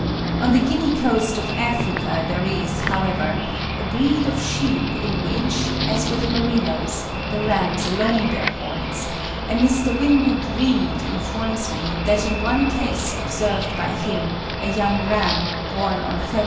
On the Guinea coast of Africa there is, however, a breed of sheep in which, as with merinos, the rams alone bear horns; and Mr. Winwood Reade informs me that in one case observed by him, a young ram, born on Feb.